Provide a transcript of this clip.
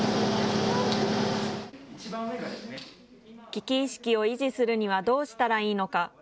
危機意識を維持するにはどうしたらいいのか。